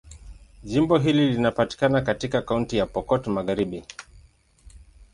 Jimbo hili linapatikana katika Kaunti ya Pokot Magharibi.